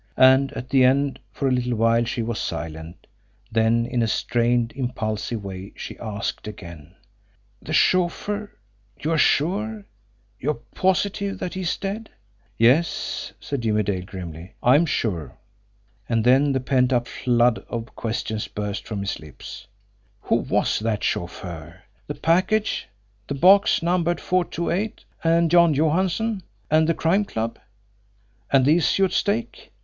And, at the end, for a little while she was silent; then in a strained, impulsive way she asked again: "The chauffeur you are sure you are positive that he is dead?" "Yes," said Jimmie Dale grimly; "I am sure." And then the pent up flood of questions burst from his lips. Who was the chauffeur? The package, the box numbered 428, and John Johansson? And the Crime Club? And the issue at stake?